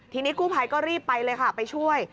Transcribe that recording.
ทีนี้กู้ภัยก็รีบไปเลยค่ะไปช่วย